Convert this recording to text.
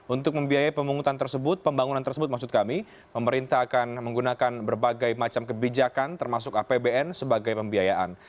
untuk membiayai pembangunan tersebut pemerintah akan menggunakan berbagai macam kebijakan termasuk apbn sebagai pembiayaan